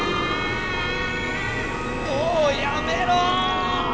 もうやめろ！